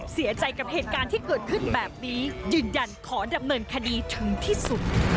เสียใจกับเหตุการณ์ที่เกิดขึ้นแบบนี้ยืนยันขอดำเนินคดีถึงที่สุด